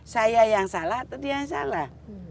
saya yang salah atau dia yang salah